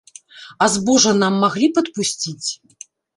А збожжа нам маглі б адпусціць?